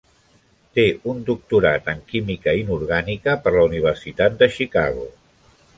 Té un doctorat en química inorgànica per la Universitat de Chicago.